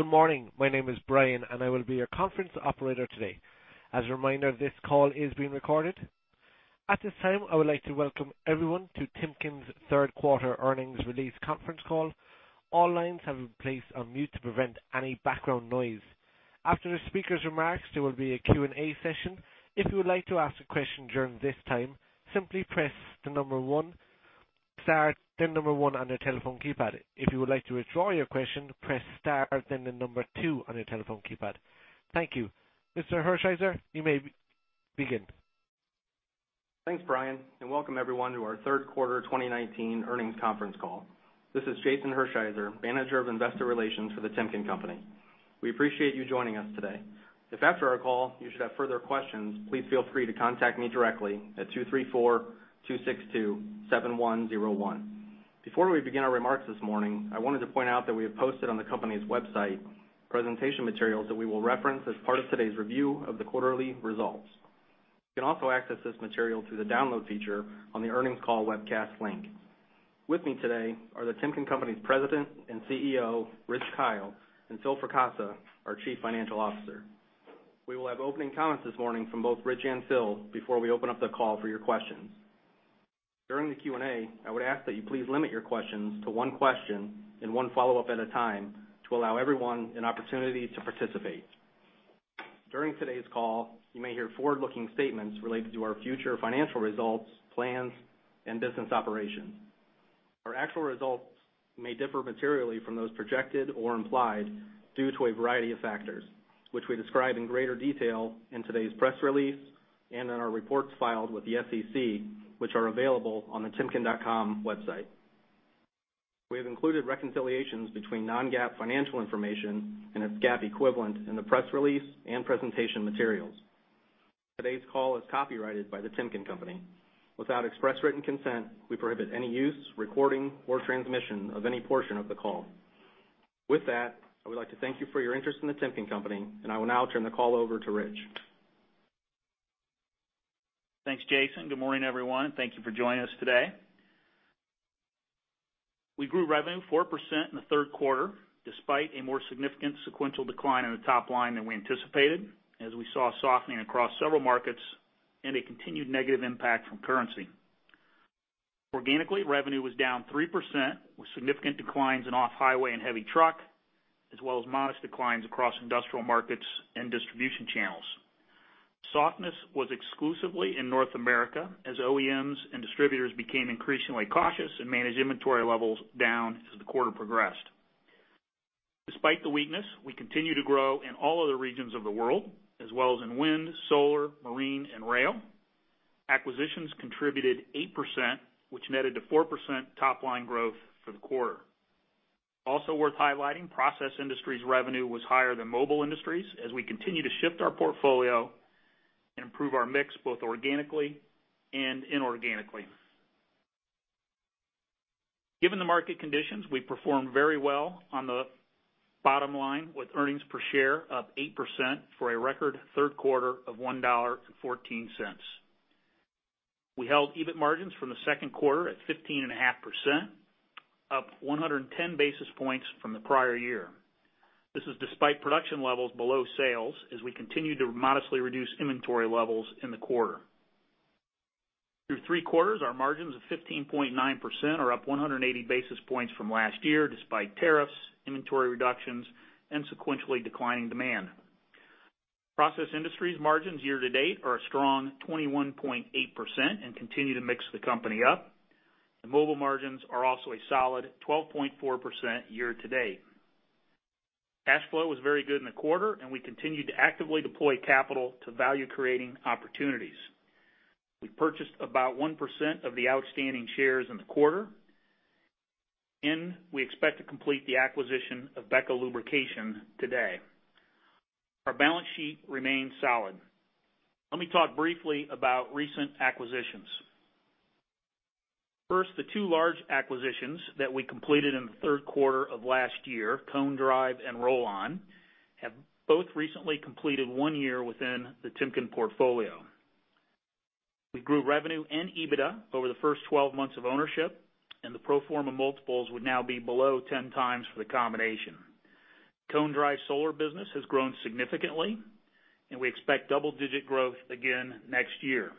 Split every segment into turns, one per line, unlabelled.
Good morning. My name is Brian. I will be your conference operator today. As a reminder, this call is being recorded. At this time, I would like to welcome everyone to Timken's third quarter earnings release conference call. All lines have been placed on mute to prevent any background noise. After the speaker's remarks, there will be a Q&A session. If you would like to ask a question during this time, simply press star, then number one on your telephone keypad. If you would like to withdraw your question, press star, then the number two on your telephone keypad. Thank you. Mr. Hershiser, you may begin.
Thanks, Brian, and welcome everyone to our third quarter 2019 earnings conference call. This is Jason Hershiser, Manager of Investor Relations for The Timken Company. We appreciate you joining us today. If after our call you should have further questions, please feel free to contact me directly at 234-262-7101. Before we begin our remarks this morning, I wanted to point out that we have posted on the company's website presentation materials that we will reference as part of today's review of the quarterly results. You can also access this material through the Download feature on the earnings call webcast link. With me today are The Timken Company's President and CEO, Rich Kyle, and Phil Fracassa, our Chief Financial Officer. We will have opening comments this morning from both Rich and Phil before we open up the call for your questions. During the Q&A, I would ask that you please limit your questions to one question and one follow-up at a time to allow everyone an opportunity to participate. During today's call, you may hear forward-looking statements related to our future financial results, plans, and business operations. Our actual results may differ materially from those projected or implied due to a variety of factors, which we describe in greater detail in today's press release and in our reports filed with the SEC, which are available on the timken.com website. We have included reconciliations between non-GAAP financial information and its GAAP equivalent in the press release and presentation materials. Today's call is copyrighted by The Timken Company. Without express written consent, we prohibit any use, recording, or transmission of any portion of the call. With that, I would like to thank you for your interest in The Timken Company, and I will now turn the call over to Rich.
Thanks, Jason. Good morning, everyone, and thank you for joining us today. We grew revenue 4% in the third quarter despite a more significant sequential decline in the top line than we anticipated, as we saw softening across several markets and a continued negative impact from currency. Organically, revenue was down 3%, with significant declines in off-highway and heavy truck, as well as modest declines across industrial markets and distribution channels. Softness was exclusively in North America as OEMs and distributors became increasingly cautious and managed inventory levels down as the quarter progressed. Despite the weakness, we continue to grow in all other regions of the world, as well as in wind, solar, marine, and rail. Acquisitions contributed 8%, which netted to 4% top-line growth for the quarter. Also worth highlighting, Process Industries revenue was higher than Mobile Industries as we continue to shift our portfolio and improve our mix both organically and inorganically. Given the market conditions, we performed very well on the bottom line with earnings per share up 8% for a record third quarter of $1.14. We held EBIT margins from the second quarter at 15.5%, up 110 basis points from the prior year. This is despite production levels below sales as we continue to modestly reduce inventory levels in the quarter. Through three quarters, our margins of 15.9% are up 180 basis points from last year, despite tariffs, inventory reductions, and sequentially declining demand. Process Industries margins year to date are a strong 21.8% and continue to mix the company up. The Mobile margins are also a solid 12.4% year to date. Cash flow was very good in the quarter. We continued to actively deploy capital to value-creating opportunities. We purchased about 1% of the outstanding shares in the quarter. We expect to complete the acquisition of BEKA Lubrication today. Our balance sheet remains solid. Let me talk briefly about recent acquisitions. First, the two large acquisitions that we completed in the third quarter of last year, Cone Drive and Rollon, have both recently completed one year within the Timken portfolio. We grew revenue and EBITDA over the first 12 months of ownership. The pro forma multiples would now be below 10 times for the combination. Cone Drive solar business has grown significantly. We expect double-digit growth again next year.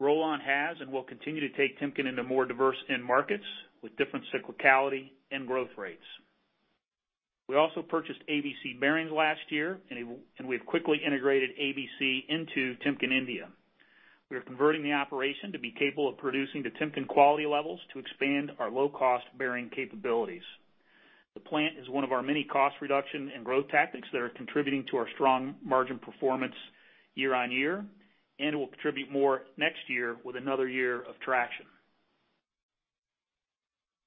Rollon has and will continue to take Timken into more diverse end markets with different cyclicality and growth rates. We also purchased ABC Bearings last year, and we have quickly integrated ABC into Timken India. We are converting the operation to be capable of producing to Timken quality levels to expand our low-cost bearing capabilities. The plant is one of our many cost reduction and growth tactics that are contributing to our strong margin performance year-on-year and will contribute more next year with another year of traction.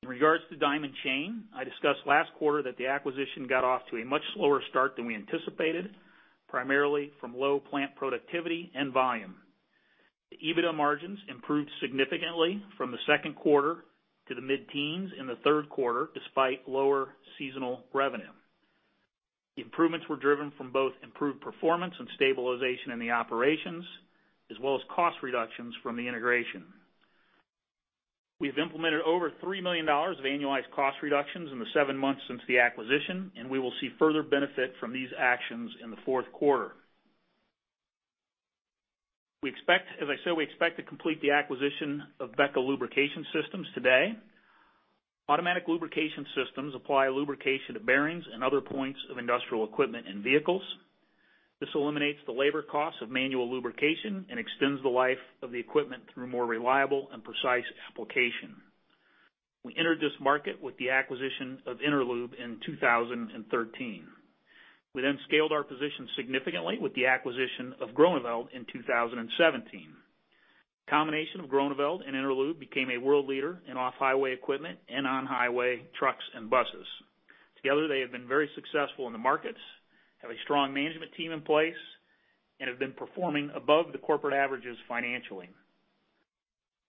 In regards to Diamond Chain, I discussed last quarter that the acquisition got off to a much slower start than we anticipated, primarily from low plant productivity and volume. The EBITDA margins improved significantly from the second quarter to the mid-teens in the third quarter, despite lower seasonal revenue. The improvements were driven from both improved performance and stabilization in the operations as well as cost reductions from the integration. We've implemented over $3 million of annualized cost reductions in the seven months since the acquisition. We will see further benefit from these actions in the fourth quarter. As I said, we expect to complete the acquisition of BEKA Lubrication today. Automatic lubrication systems apply lubrication to bearings and other points of industrial equipment and vehicles. This eliminates the labor cost of manual lubrication and extends the life of the equipment through more reliable and precise application. We entered this market with the acquisition of Interlube in 2013. We scaled our position significantly with the acquisition of Groeneveld in 2017. The combination of Groeneveld and Interlube became a world leader in off-highway equipment and on-highway trucks and buses. Together, they have been very successful in the markets, have a strong management team in place, and have been performing above the corporate averages financially.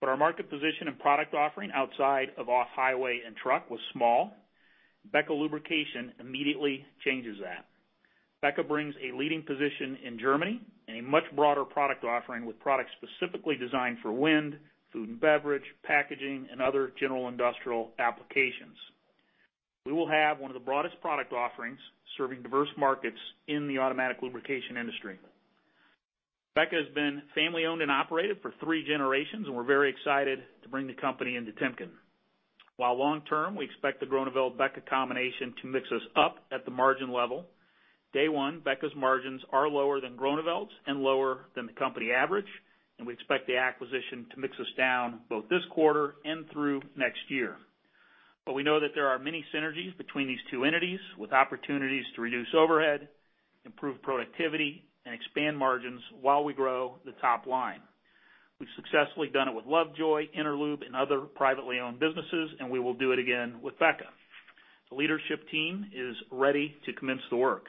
Our market position and product offering outside of off-highway and truck was small. BEKA Lubrication immediately changes that. BEKA brings a leading position in Germany and a much broader product offering with products specifically designed for wind, food and beverage, packaging, and other general industrial applications. We will have one of the broadest product offerings serving diverse markets in the automatic lubrication industry. BEKA has been family owned and operated for three generations, and we're very excited to bring the company into Timken. While long term, we expect the Groeneveld-BEKA combination to mix us up at the margin level. Day one, BEKA's margins are lower than Groeneveld's and lower than the company average. We expect the acquisition to mix us down both this quarter and through next year. We know that there are many synergies between these two entities with opportunities to reduce overhead, improve productivity, and expand margins while we grow the top line. We've successfully done it with Lovejoy, Interlube, and other privately owned businesses. We will do it again with BEKA. The leadership team is ready to commence the work.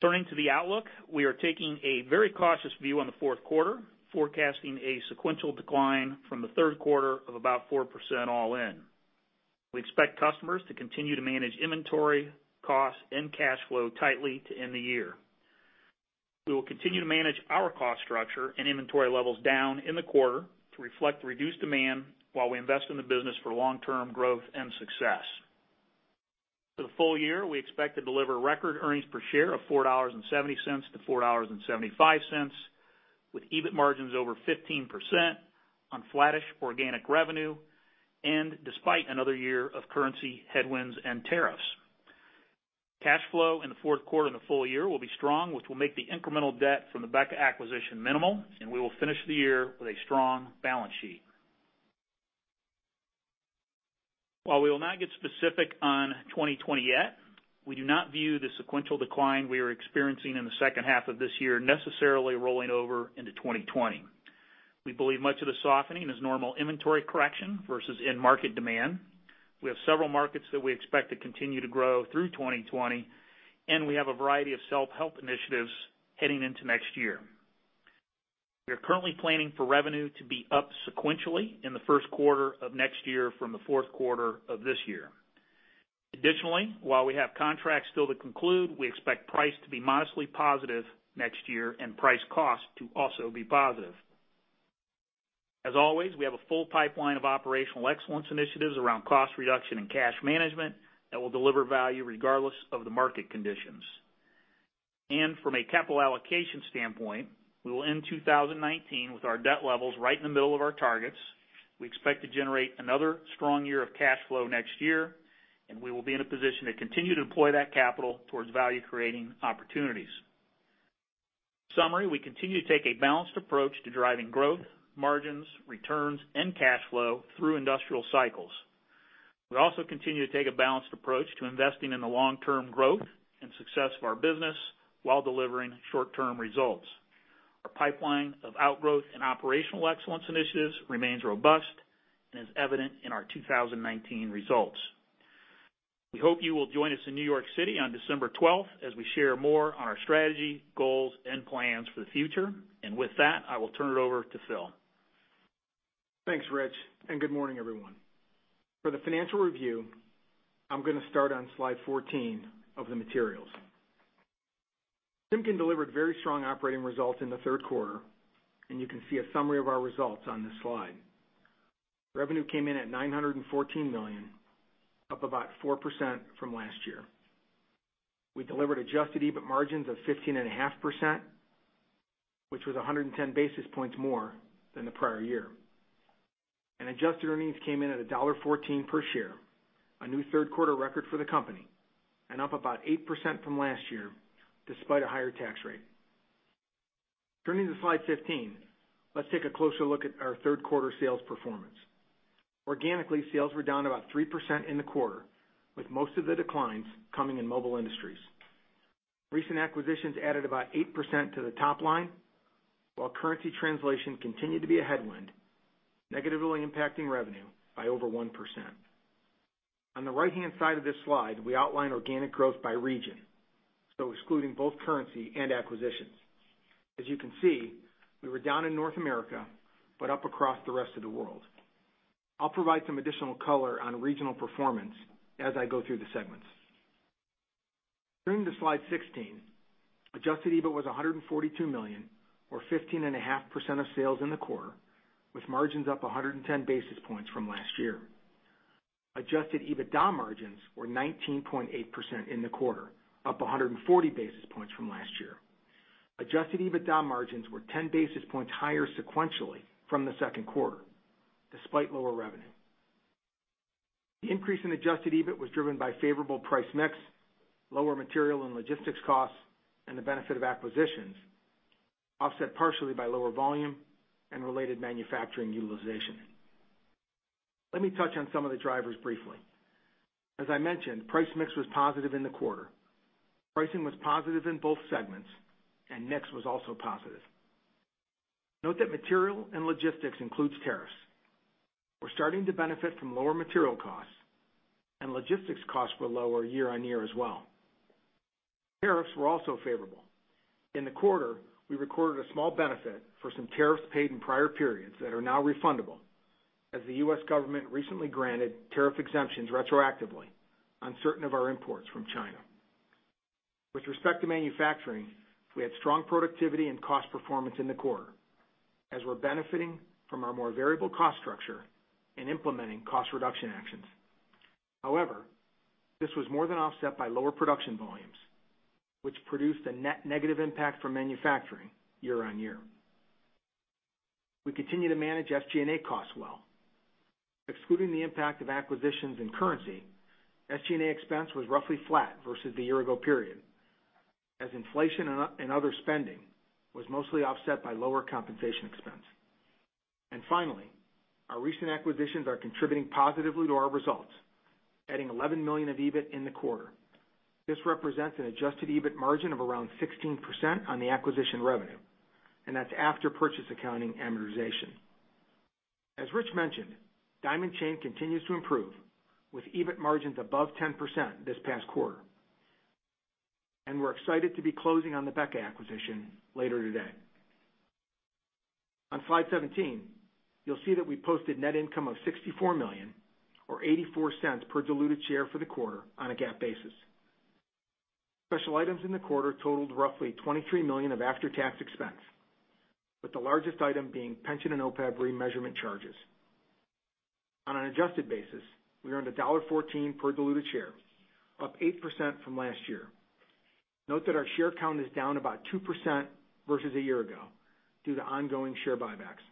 Turning to the outlook, we are taking a very cautious view on the fourth quarter, forecasting a sequential decline from the third quarter of about 4% all in. We expect customers to continue to manage inventory, cost, and cash flow tightly to end the year. We will continue to manage our cost structure and inventory levels down in the quarter to reflect the reduced demand while we invest in the business for long-term growth and success. For the full year, we expect to deliver record earnings per share of $4.70 to $4.75, with EBIT margins over 15% on flattish organic revenue and despite another year of currency headwinds and tariffs. Cash flow in the fourth quarter and the full year will be strong, which will make the incremental debt from the BEKA acquisition minimal, and we will finish the year with a strong balance sheet. While we will not get specific on 2020 yet, we do not view the sequential decline we are experiencing in the second half of this year necessarily rolling over into 2020. We believe much of the softening is normal inventory correction versus end market demand. We have several markets that we expect to continue to grow through 2020, and we have a variety of self-help initiatives heading into next year. We are currently planning for revenue to be up sequentially in the first quarter of next year from the fourth quarter of this year. Additionally, while we have contracts still to conclude, we expect price to be modestly positive next year and price cost to also be positive. As always, we have a full pipeline of operational excellence initiatives around cost reduction and cash management that will deliver value regardless of the market conditions. From a capital allocation standpoint, we will end 2019 with our debt levels right in the middle of our targets. We expect to generate another strong year of cash flow next year, and we will be in a position to continue to deploy that capital towards value-creating opportunities. In summary, we continue to take a balanced approach to driving growth, margins, returns, and cash flow through industrial cycles. We also continue to take a balanced approach to investing in the long-term growth and success of our business while delivering short-term results. Our pipeline of outgrowth and operational excellence initiatives remains robust and is evident in our 2019 results. We hope you will join us in New York City on December 12th as we share more on our strategy, goals, and plans for the future. With that, I will turn it over to Phil.
Thanks, Rich. Good morning, everyone. For the financial review, I'm going to start on slide 14 of the materials. Timken delivered very strong operating results in the third quarter, and you can see a summary of our results on this slide. Revenue came in at $914 million, up about 4% from last year. We delivered adjusted EBIT margins of 15.5%, which was 110 basis points more than the prior year. Adjusted earnings came in at $1.14 per share, a new third quarter record for the company, and up about 8% from last year, despite a higher tax rate. Turning to slide 15, let's take a closer look at our third quarter sales performance. Organically, sales were down about 3% in the quarter, with most of the declines coming in Mobile Industries. Recent acquisitions added about 8% to the top line, while currency translation continued to be a headwind, negatively impacting revenue by over 1%. On the right-hand side of this slide, we outline organic growth by region, so excluding both currency and acquisitions. As you can see, we were down in North America, but up across the rest of the world. I'll provide some additional color on regional performance as I go through the segments. Turning to Slide 16, adjusted EBIT was $142 million or 15.5% of sales in the quarter, with margins up 110 basis points from last year. Adjusted EBITDA margins were 19.8% in the quarter, up 140 basis points from last year. Adjusted EBITDA margins were 10 basis points higher sequentially from the second quarter, despite lower revenue. The increase in adjusted EBIT was driven by favorable price mix, lower material and logistics costs, and the benefit of acquisitions, offset partially by lower volume and related manufacturing utilization. Let me touch on some of the drivers briefly. As I mentioned, price mix was positive in the quarter. Pricing was positive in both segments, and mix was also positive. Note that material and logistics includes tariffs. We're starting to benefit from lower material costs, and logistics costs were lower year-on-year as well. Tariffs were also favorable. In the quarter, we recorded a small benefit for some tariffs paid in prior periods that are now refundable, as the U.S. government recently granted tariff exemptions retroactively on certain of our imports from China. With respect to manufacturing, we had strong productivity and cost performance in the quarter, as we're benefiting from our more variable cost structure and implementing cost reduction actions. However, this was more than offset by lower production volumes, which produced a net negative impact for manufacturing year-on-year. We continue to manage SG&A costs well. Excluding the impact of acquisitions and currency, SG&A expense was roughly flat versus the year-ago period, as inflation and other spending was mostly offset by lower compensation expense. Finally, our recent acquisitions are contributing positively to our results, adding $11 million of EBIT in the quarter. This represents an adjusted EBIT margin of around 16% on the acquisition revenue, and that's after purchase accounting amortization. As Rich mentioned, Diamond Chain continues to improve, with EBIT margins above 10% this past quarter. We're excited to be closing on the BEKA acquisition later today. On Slide 17, you'll see that we posted net income of $64 million or $0.84 per diluted share for the quarter on a GAAP basis. Special items in the quarter totaled roughly $23 million of after-tax expense, with the largest item being pension and OPEB remeasurement charges. On an adjusted basis, we earned $1.14 per diluted share, up 8% from last year. Note that our share count is down about 2% versus a year ago due to ongoing share buybacks.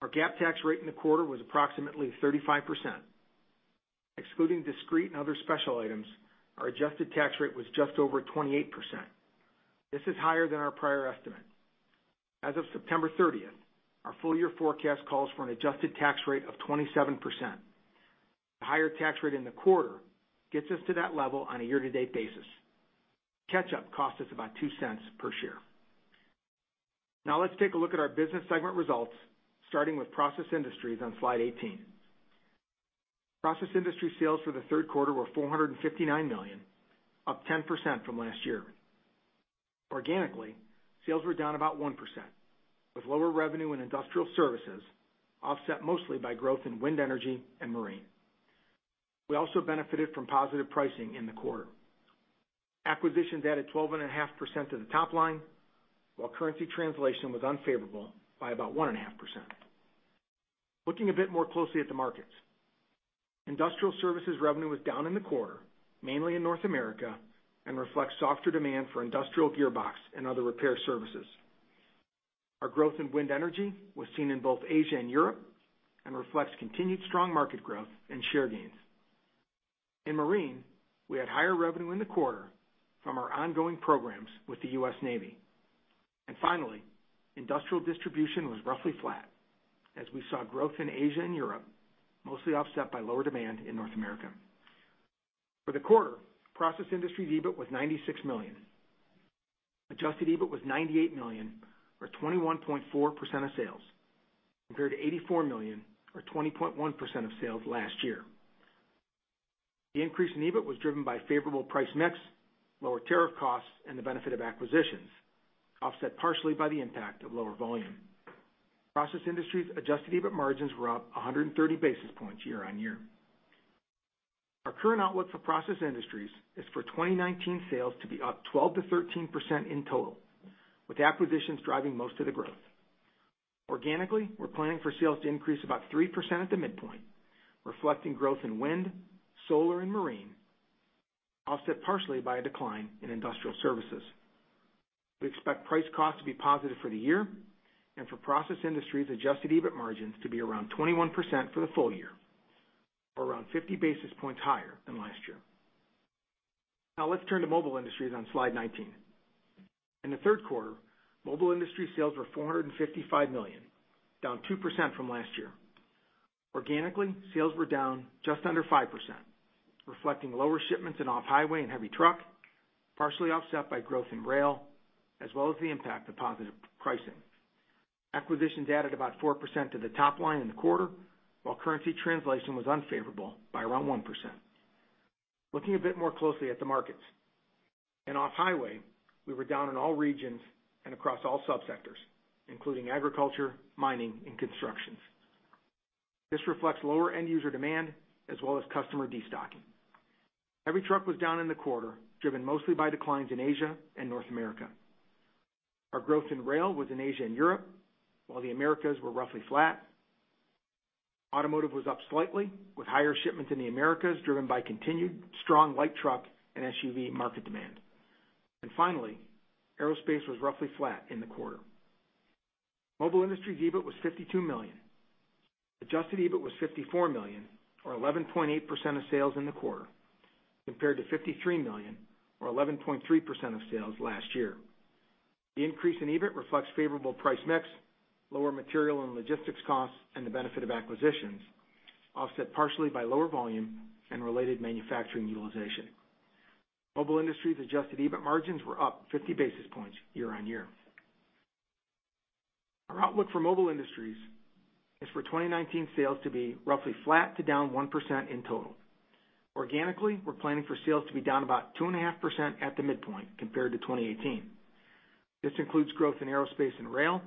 Our GAAP tax rate in the quarter was approximately 35%. Excluding discrete and other special items, our adjusted tax rate was just over 28%. This is higher than our prior estimate. As of September 30th, our full-year forecast calls for an adjusted tax rate of 27%. The higher tax rate in the quarter gets us to that level on a year-to-date basis. Catch-up cost us about $0.02 per share. Now let's take a look at our business segment results, starting with Process Industries on Slide 18. Process Industries sales for the third quarter were $459 million, up 10% from last year. Organically, sales were down about 1%, with lower revenue in industrial services offset mostly by growth in wind energy and marine. We also benefited from positive pricing in the quarter. Acquisitions added 12.5% to the top line, while currency translation was unfavorable by about 1.5%. Looking a bit more closely at the markets. Industrial services revenue was down in the quarter, mainly in North America, and reflects softer demand for industrial gearbox and other repair services. Our growth in wind energy was seen in both Asia and Europe and reflects continued strong market growth and share gains. In marine, we had higher revenue in the quarter from our ongoing programs with the U.S. Navy. Finally, industrial distribution was roughly flat as we saw growth in Asia and Europe, mostly offset by lower demand in North America. For the quarter, Process Industries' EBIT was $96 million. Adjusted EBIT was $98 million or 21.4% of sales, compared to $84 million or 20.1% of sales last year. The increase in EBIT was driven by favorable price mix, lower tariff costs, and the benefit of acquisitions, offset partially by the impact of lower volume. Process Industries' adjusted EBIT margins were up 130 basis points year-on-year. Our current outlook for Process Industries is for 2019 sales to be up 12%-13% in total, with acquisitions driving most of the growth. Organically, we're planning for sales to increase about 3% at the midpoint, reflecting growth in wind, solar, and marine, offset partially by a decline in industrial services. We expect price cost to be positive for the year and for Process Industries adjusted EBIT margins to be around 21% for the full year, or around 50 basis points higher than last year. Let's turn to Mobile Industries on Slide 19. In the third quarter, Mobile Industries sales were $455 million, down 2% from last year. Organically, sales were down just under 5%, reflecting lower shipments in off-highway and heavy truck, partially offset by growth in rail, as well as the impact of positive pricing. Acquisitions added about 4% to the top line in the quarter, while currency translation was unfavorable by around 1%. Looking a bit more closely at the markets. In off-highway, we were down in all regions and across all subsectors, including agriculture, mining, and constructions. This reflects lower end-user demand as well as customer destocking. Every truck was down in the quarter, driven mostly by declines in Asia and North America. Our growth in rail was in Asia and Europe, while the Americas were roughly flat. Automotive was up slightly, with higher shipments in the Americas driven by continued strong light truck and SUV market demand. Finally, aerospace was roughly flat in the quarter. Mobile Industries EBIT was $52 million. Adjusted EBIT was $54 million, or 11.8% of sales in the quarter, compared to $53 million, or 11.3% of sales last year. The increase in EBIT reflects favorable price mix, lower material and logistics costs, and the benefit of acquisitions, offset partially by lower volume and related manufacturing utilization. Mobile Industries adjusted EBIT margins were up 50 basis points year-on-year. Our outlook for Mobile Industries is for 2019 sales to be roughly flat to down 1% in total. Organically, we're planning for sales to be down about 2.5% at the midpoint compared to 2018. This includes growth in aerospace and rail,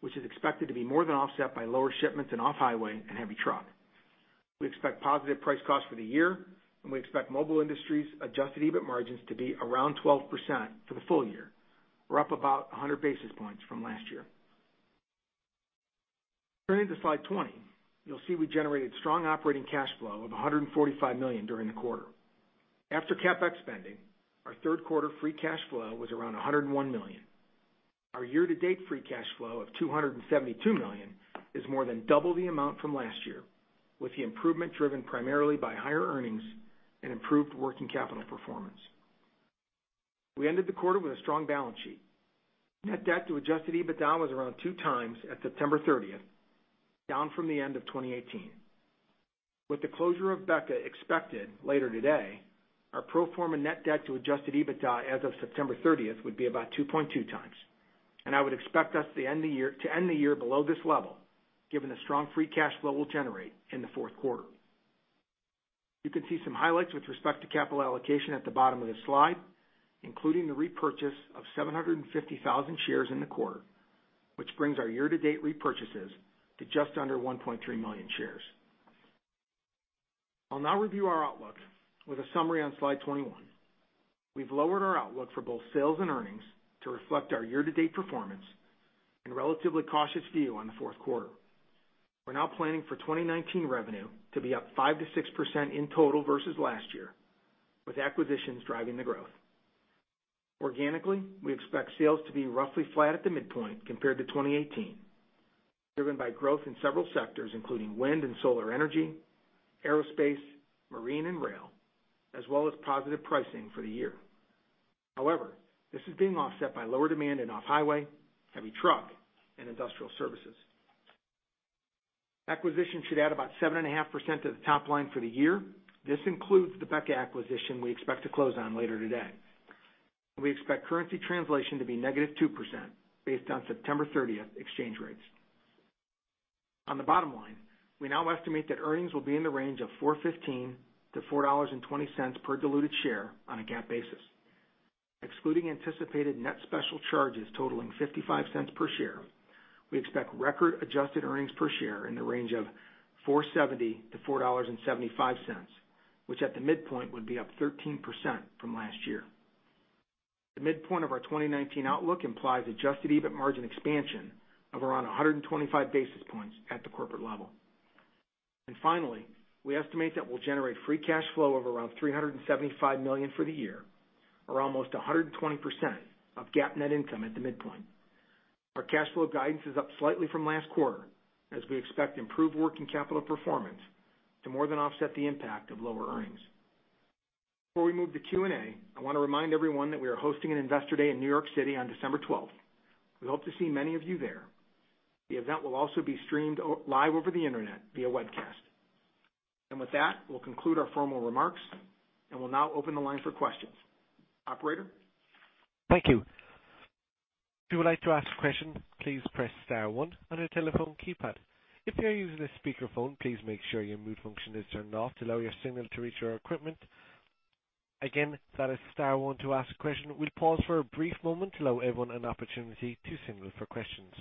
which is expected to be more than offset by lower shipments in off-highway and heavy truck. We expect positive price cost for the year, and we expect Mobile Industries adjusted EBIT margins to be around 12% for the full year. We're up about 100 basis points from last year. Turning to slide 20, you'll see we generated strong operating cash flow of $145 million during the quarter. After CapEx spending, our third quarter free cash flow was around $101 million. Our year-to-date free cash flow of $272 million is more than double the amount from last year, with the improvement driven primarily by higher earnings and improved working capital performance. We ended the quarter with a strong balance sheet. Net debt to adjusted EBITDA was around two times at September 30th, down from the end of 2018. With the closure of BEKA expected later today, our pro forma net debt to adjusted EBITDA as of September 30th would be about 2.2 times. I would expect us to end the year below this level, given the strong free cash flow we'll generate in the fourth quarter. You can see some highlights with respect to capital allocation at the bottom of the slide, including the repurchase of 750,000 shares in the quarter, which brings our year-to-date repurchases to just under 1.3 million shares. I'll now review our outlook with a summary on slide 21. We've lowered our outlook for both sales and earnings to reflect our year-to-date performance and relatively cautious view on the fourth quarter. We're now planning for 2019 revenue to be up 5%-6% in total versus last year, with acquisitions driving the growth. Organically, we expect sales to be roughly flat at the midpoint compared to 2018, driven by growth in several sectors, including wind and solar energy, aerospace, marine and rail, as well as positive pricing for the year. This is being offset by lower demand in off-highway, heavy truck, and industrial services. Acquisitions should add about 7.5% to the top line for the year. This includes the BEKA acquisition we expect to close on later today. We expect currency translation to be negative 2% based on September 30th exchange rates. On the bottom line, we now estimate that earnings will be in the range of $4.15 to $4.20 per diluted share on a GAAP basis. Excluding anticipated net special charges totaling $0.55 per share, we expect record adjusted earnings per share in the range of $4.70-$4.75, which at the midpoint would be up 13% from last year. The midpoint of our 2019 outlook implies adjusted EBIT margin expansion of around 125 basis points at the corporate level. Finally, we estimate that we'll generate free cash flow of around $375 million for the year, or almost 120% of GAAP net income at the midpoint. Our cash flow guidance is up slightly from last quarter, as we expect improved working capital performance to more than offset the impact of lower earnings. Before we move to Q&A, I want to remind everyone that we are hosting an Investor Day in New York City on December 12th. We hope to see many of you there. The event will also be streamed live over the internet via webcast. With that, we'll conclude our formal remarks, and we'll now open the line for questions. Operator?
Thank you. If you would like to ask a question, please press star one on your telephone keypad. If you are using a speakerphone, please make sure your mute function is turned off to allow your signal to reach our equipment. Again, that is star one to ask a question. We'll pause for a brief moment to allow everyone an opportunity to signal for questions.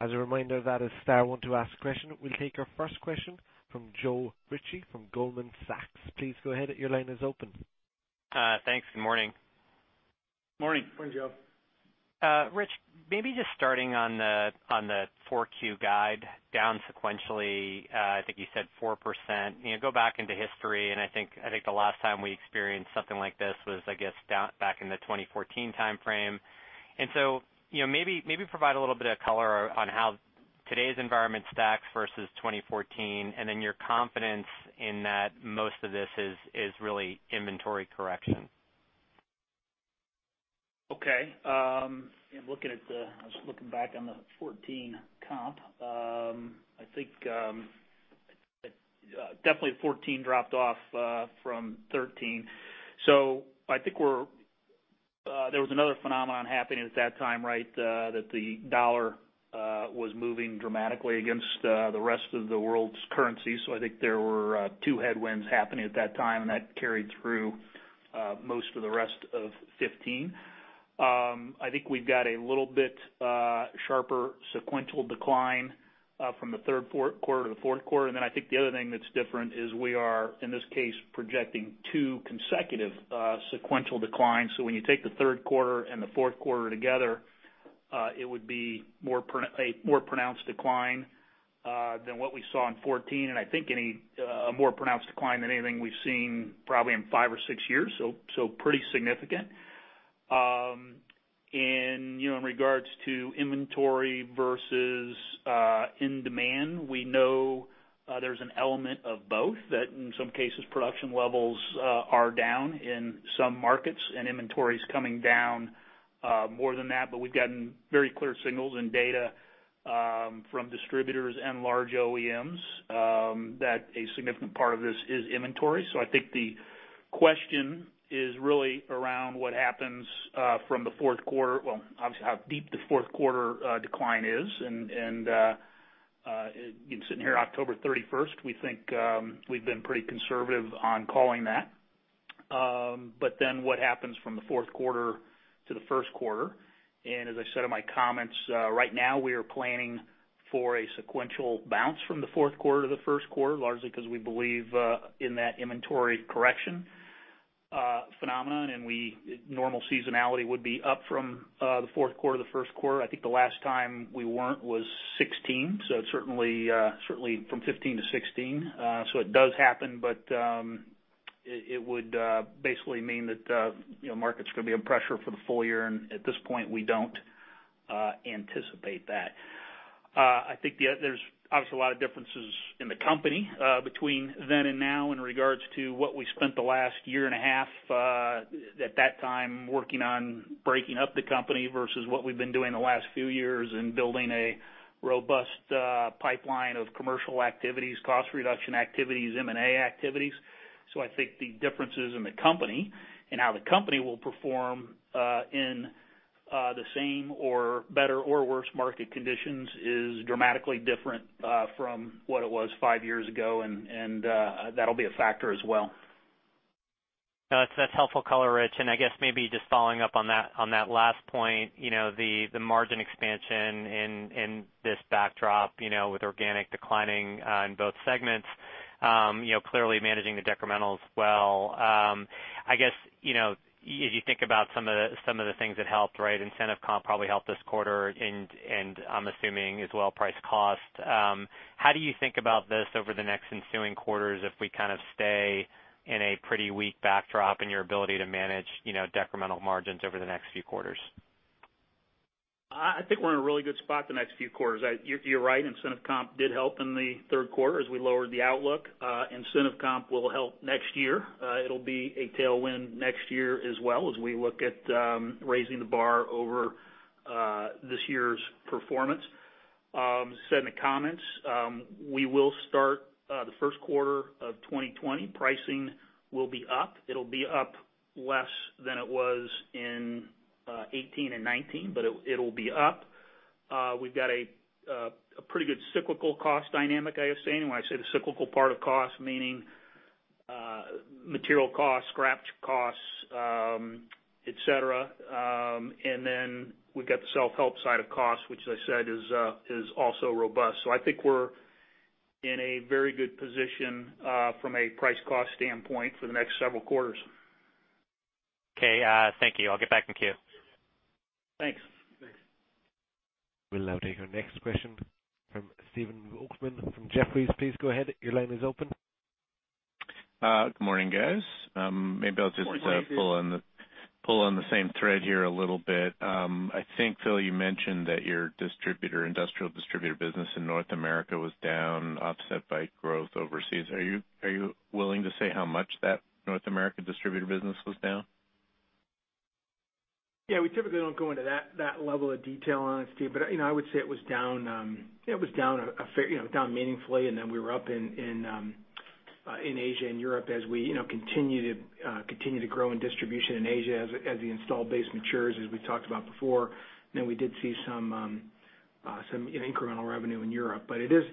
As a reminder, that is star one to ask a question. We'll take our first question from Joe Ritchie from Goldman Sachs. Please go ahead. Your line is open.
Thanks. Good morning.
Morning. Morning, Joe.
Rich, maybe just starting on the 4Q guide down sequentially, I think you said 4%. Go back into history, I think the last time we experienced something like this was, I guess, back in the 2014 timeframe. Maybe provide a little bit of color on how today's environment stacks versus 2014, and then your confidence in that most of this is really inventory correction.
Okay. I was looking back on the 2014 comp. I think definitely 2014 dropped off from 2013. I think there was another phenomenon happening at that time, that the U.S. dollar was moving dramatically against the rest of the world's currency. I think there were two headwinds happening at that time, and that carried through most of the rest of 2015. I think we've got a little bit sharper sequential decline from the third quarter to the fourth quarter. I think the other thing that's different is we are, in this case, projecting 2 consecutive sequential declines. When you take the third quarter and the fourth quarter together, it would be a more pronounced decline than what we saw in 2014, and I think a more pronounced decline than anything we've seen probably in 5 or 6 years, so pretty significant. In regards to inventory versus in demand, we know there's an element of both that in some cases, production levels are down in some markets and inventory's coming down more than that. We've gotten very clear signals and data from distributors and large OEMs that a significant part of this is inventory. I think the question is really around how deep the fourth quarter decline is. Sitting here October 31st, we think we've been pretty conservative on calling that. What happens from the fourth quarter to the first quarter, and as I said in my comments, right now we are planning for a sequential bounce from the fourth quarter to the first quarter, largely because we believe in that inventory correction phenomenon, and normal seasonality would be up from the fourth quarter to the first quarter. I think the last time we weren't was 2016. Certainly from 2015 to 2016. It does happen, but it would basically mean that the market's going to be under pressure for the full year, and at this point, we don't anticipate that. I think there's obviously a lot of differences in the company between then and now in regards to what we spent the last year and a half at that time working on breaking up the company versus what we've been doing the last few years in building a robust pipeline of commercial activities, cost reduction activities, M&A activities. I think the differences in the company and how the company will perform in the same or better or worse market conditions is dramatically different from what it was five years ago, and that'll be a factor as well.
That's helpful color, Rich. I guess maybe just following up on that last point, the margin expansion in this backdrop with organic declining in both segments, clearly managing the decrementals well. As you think about some of the things that helped, incentive comp probably helped this quarter, and I'm assuming as well, price cost. How do you think about this over the next ensuing quarters if we kind of stay in a pretty weak backdrop in your ability to manage decremental margins over the next few quarters?
I think we're in a really good spot the next few quarters. You're right, incentive comp did help in the third quarter as we lowered the outlook. Incentive comp will help next year. It'll be a tailwind next year as well as we look at raising the bar over this year's performance. Said in the comments, we will start the first quarter of 2020. Pricing will be up. It'll be up less than it was in 2018 and 2019, but it'll be up. We've got a pretty good cyclical cost dynamic, I would say. When I say the cyclical part of cost, meaning material costs, scrap costs, et cetera. We've got the self-help side of cost, which as I said, is also robust. I think we're in a very good position from a price cost standpoint for the next several quarters.
Okay. Thank you. I'll get back in queue.
Thanks.
We'll now take our next question from Stephen Volkmann from Jefferies. Please go ahead. Your line is open.
Good morning, guys.
Good morning, Steve.
Maybe I'll just pull on the same thread here a little bit. I think, Phil, you mentioned that your distributor, industrial distributor business in North America was down, offset by growth overseas. Are you willing to say how much that North American distributor business was down?
Yeah, we typically don't go into that level of detail on it, Steve. I would say it was down meaningfully, and then we were up in Asia and Europe as we continue to grow in distribution in Asia as the installed base matures, as we talked about before. We did see some incremental revenue in Europe. The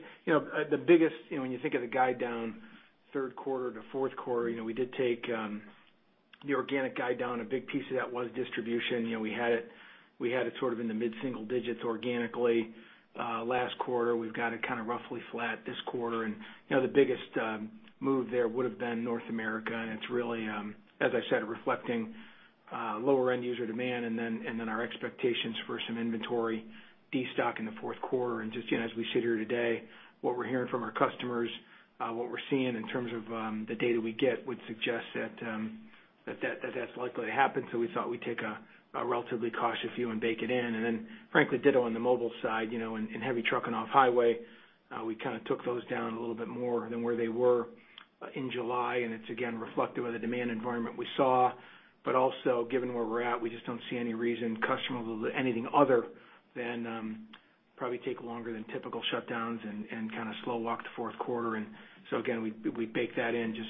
biggest, when you think of the guide down third quarter to fourth quarter, we did take the organic guide down. A big piece of that was distribution. We had it sort of in the mid-single digits organically. Last quarter, we've got it kind of roughly flat this quarter. The biggest move there would've been North America, and it's really, as I said, reflecting lower end user demand and then our expectations for some inventory destock in the fourth quarter. Just as we sit here today, what we're hearing from our customers, what we're seeing in terms of the data we get would suggest that that's likely to happen. We thought we'd take a relatively cautious view and bake it in. Frankly, ditto on the mobile side, in heavy truck and off-highway. We kind of took those down a little bit more than where they were in July, and it's again reflective of the demand environment we saw. Also given where we're at, we just don't see any reason customers will do anything other than probably take longer than typical shutdowns and kind of slow walk the fourth quarter. Again, we bake that in just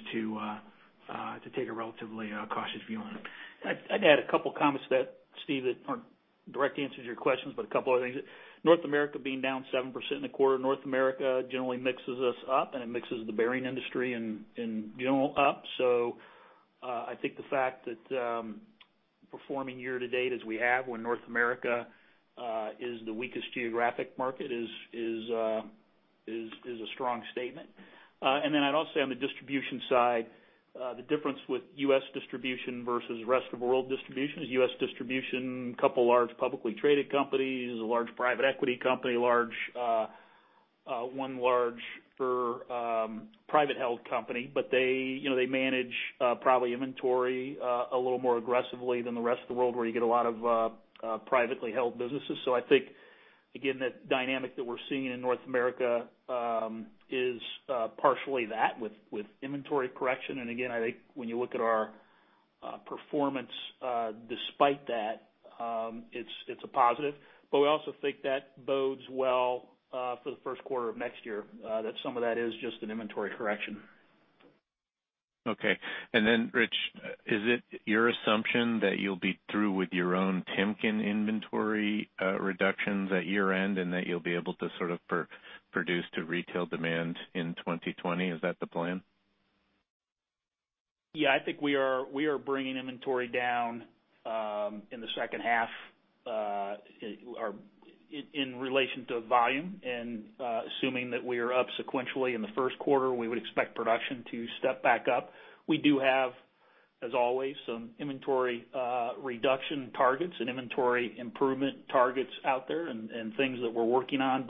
to take a relatively cautious view on it. I'd add a couple of comments to that, Steve, that are a direct answer to your questions, but a couple other things. North America being down 7% in the quarter, North America generally mixes us up and it mixes the bearing industry in general up. I think the fact that performing year to date as we have when North America is the weakest geographic market is a strong statement. Then I'd also say on the distribution side, the difference with U.S. distribution versus rest of world distribution is U.S. distribution, couple large publicly traded companies, a large private equity company, one large private held company. They manage probably inventory a little more aggressively than the rest of the world, where you get a lot of privately held businesses. I think, again, that dynamic that we're seeing in North America is partially that with inventory correction. Again, I think when you look at our performance despite that, it's a positive, but we also think that bodes well for the first quarter of next year, that some of that is just an inventory correction.
Okay. Rich, is it your assumption that you'll be through with your own Timken inventory reductions at year-end, and that you'll be able to sort of produce to retail demand in 2020? Is that the plan?
Yeah, I think we are bringing inventory down in the second half in relation to volume. Assuming that we are up sequentially in the first quarter, we would expect production to step back up. We do have, as always, some inventory reduction targets and inventory improvement targets out there and things that we're working on.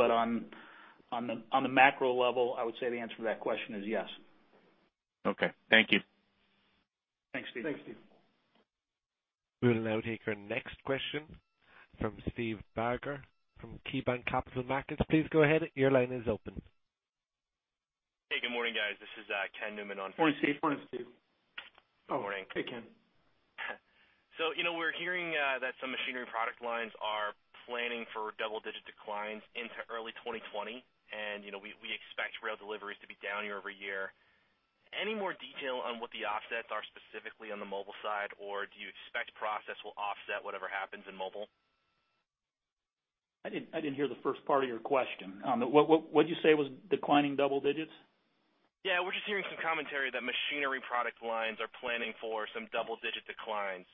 On the macro level, I would say the answer to that question is yes.
Okay. Thank you.
Thanks, Steve. Thanks, Steve.
We'll now take our next question from Steve Barger from KeyBanc Capital Markets. Please go ahead, your line is open.
Hey, good morning, guys. This is Ken Newman on for Steve.
Morning, Steve. Morning, Steve.
Good morning.
Hey, Ken.
We're hearing that some machinery product lines are planning for double-digit declines into early 2020, and we expect rail deliveries to be down year-over-year. Any more detail on what the offsets are specifically on the Mobile side, or do you expect Process will offset whatever happens in Mobile?
I didn't hear the first part of your question. What'd you say was declining double digits?
Yeah, we're just hearing some commentary that machinery product lines are planning for some double-digit declines.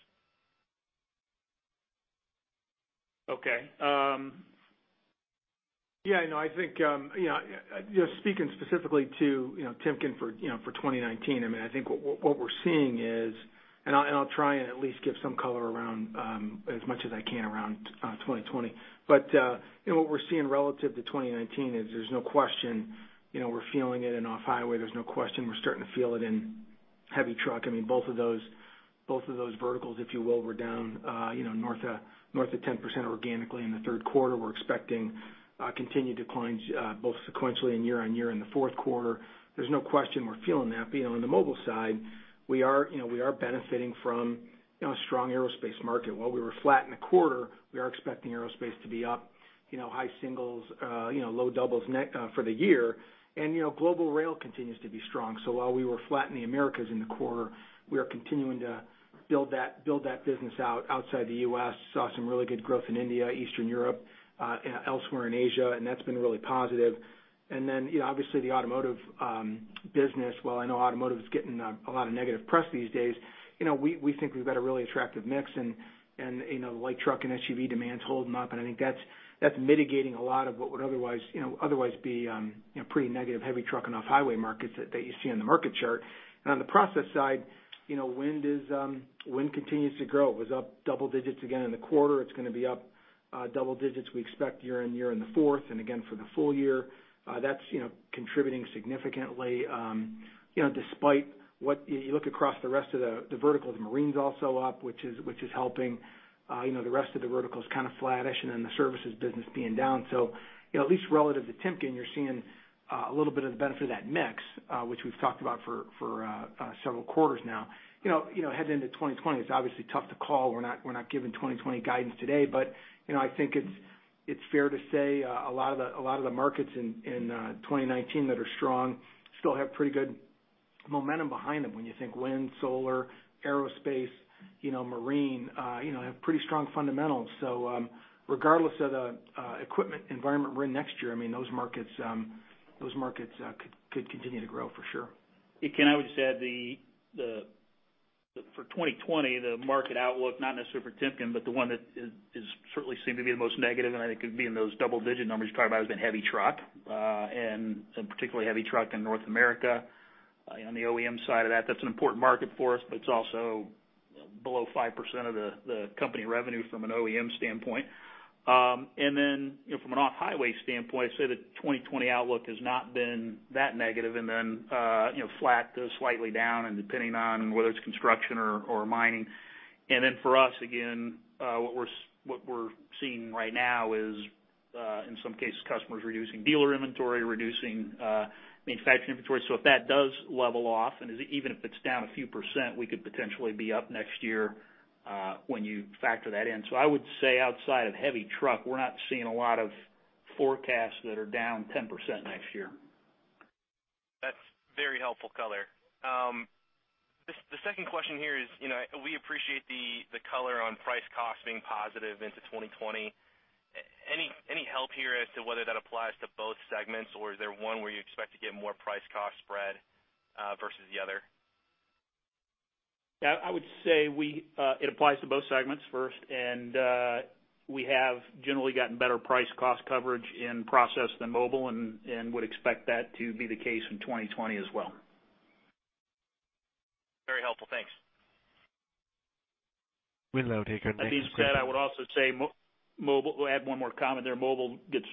Okay. Yeah, no, I think, just speaking specifically to Timken for 2019, I think what we're seeing is, I'll try and at least give some color as much as I can around 2020. What we're seeing relative to 2019 is there's no question we're feeling it in off-highway. There's no question we're starting to feel it in heavy truck. Both of those verticals, if you will, were down north of 10% organically in the third quarter. We're expecting continued declines both sequentially and year-over-year in the fourth quarter. There's no question we're feeling that. On the mobile side, we are benefiting from a strong aerospace market. While we were flat in the quarter, we are expecting aerospace to be up high singles, low doubles for the year. Global rail continues to be strong. While we were flat in the Americas in the quarter, we are continuing to build that business out outside the U.S. Saw some really good growth in India, Eastern Europe, elsewhere in Asia, and that's been really positive. Then obviously the automotive business. While I know automotive is getting a lot of negative press these days, we think we've got a really attractive mix in light truck and SUV demand holding up, and I think that's mitigating a lot of what would otherwise be pretty negative heavy truck and off-highway markets that you see on the market chart. On the process side, wind continues to grow. It was up double digits again in the quarter. It's going to be up double digits, we expect, year-on-year in the fourth and again for the full year. That's contributing significantly. You look across the rest of the verticals, marine's also up, which is helping. The rest of the vertical is kind of flattish, and then the services business being down. At least relative to Timken, you're seeing a little bit of the benefit of that mix, which we've talked about for several quarters now. Heading into 2020, it's obviously tough to call. We're not giving 2020 guidance today, but I think it's fair to say a lot of the markets in 2019 that are strong still have pretty good momentum behind them. When you think wind, solar, aerospace, marine, have pretty strong fundamentals. Regardless of the equipment environment we're in next year, those markets could continue to grow for sure. Hey, Ken, I would just add, for 2020, the market outlook, not necessarily for Timken, but the one that certainly seemed to be the most negative, and I think could be in those double-digit numbers you're talking about, has been heavy truck, and particularly heavy truck in North America. On the OEM side of that's an important market for us, but it's also below 5% of the company revenue from an OEM standpoint. From an off-highway standpoint, I'd say the 2020 outlook has not been that negative, and then flat to slightly down and depending on whether it's construction or mining. For us, again, what we're seeing right now is, in some cases, customers reducing dealer inventory, reducing manufacturing inventory. If that does level off, and even if it's down a few %, we could potentially be up next year when you factor that in. I would say outside of heavy truck, we're not seeing a lot of forecasts that are down 10% next year.
Very helpful color. The second question here is, we appreciate the color on price cost being positive into 2020. Any help here as to whether that applies to both segments, or is there one where you expect to get more price cost spread versus the other?
Yeah, I would say it applies to both segments first, and we have generally gotten better price cost coverage in Process than Mobile and would expect that to be the case in 2020 as well.
Very helpful. Thanks.
We'll now take our next question.
With that being said, I would also add one more comment there. Mobile gets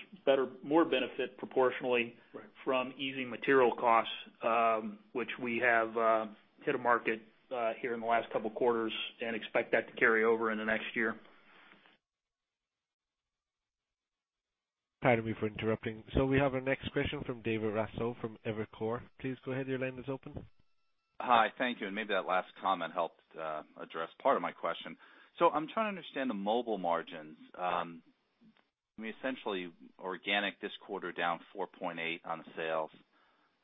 more benefit proportionally.
Right
from easing material costs, which we have hit a market here in the last couple of quarters and expect that to carry over in the next year.
Pardon me for interrupting. We have our next question from David Raso from Evercore. Please go ahead. Your line is open.
Hi. Thank you. Maybe that last comment helped address part of my question. I'm trying to understand the Mobile margins.
Sure.
Essentially organic this quarter down 4.8 on the sales.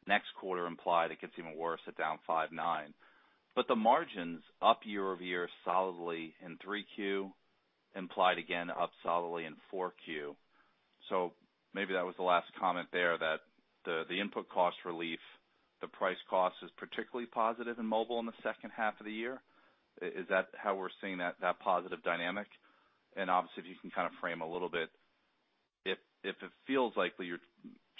Next quarter implied it gets even worse at down 5.9. The margins up year-over-year solidly in 3 Q, implied again up solidly in 4 Q. Maybe that was the last comment there that the input cost relief, the price cost is particularly positive in Mobile in the second half of the year. Is that how we're seeing that positive dynamic? Obviously, if you can frame a little bit, if it feels likely you're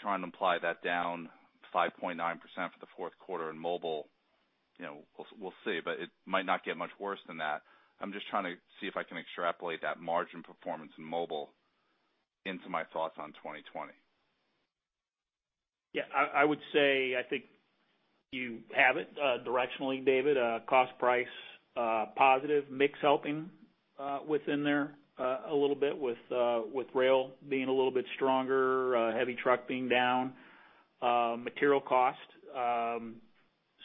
trying to imply that down 5.9% for the fourth quarter in Mobile, we'll see, but it might not get much worse than that. I'm just trying to see if I can extrapolate that margin performance in Mobile into my thoughts on 2020.
Yeah, I would say, I think you have it directionally, David. Cost price positive, mix helping within there a little bit with rail being a little bit stronger, heavy truck being down. Material cost